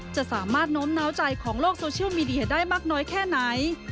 จะสามารถโน้มน้าวใจของโลกโซเชียลมีเดียได้มากน้อยแค่ไหน